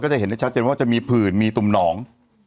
จะเห็นได้ชัดเจนว่าจะมีผื่นมีตุ่มหนอง